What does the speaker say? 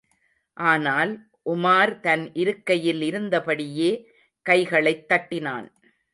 ஆனால் உமார் தன் இருக்கையில் இருந்தபடியே கைகளைத் தட்டினான்.